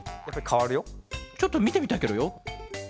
ちょっとみてみたいケロよ。